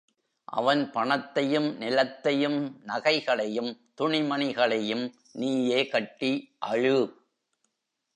அவன் பணத்தையும், நிலத்தையும், நகைகளையும், துணிமணிகளையும் நீயே கட்டி அழு.